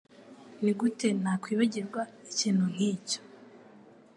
Nigute nakwibagirwa ikintu nkicyo?